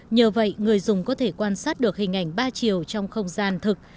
nhờ vậy người dùng có thể quan sát được hình ảnh ba chiều trong không gian thực